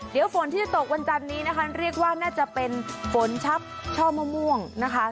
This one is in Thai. เดี๋ยวฝนที่จะตกวันจันนี้นะคะเรียกว่าน่าจะเป็นฝนชับช่อมะม่วงนะคะ